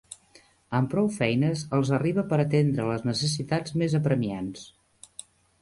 Amb prou feines els arriba per atendre les necessitats més apremiants.